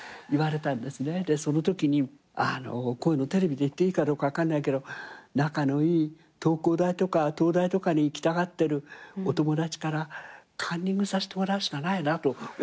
そのときにあのこういうのテレビで言っていいかどうか分かんないけど仲のいい東工大とか東大とかに行きたがってるお友達からカンニングさせてもらうしかないなと思ったわけ。